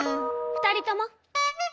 ２人とも！